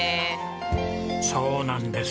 そうなんです。